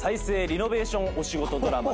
リノベーションお仕事ドラマです。